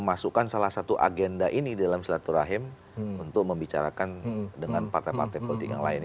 masukkan salah satu agenda ini dalam silaturahim untuk membicarakan dengan partai partai politik yang lain